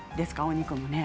お肉もね。